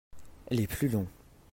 Les plus longs.